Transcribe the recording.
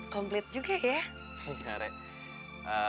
komplit juga ya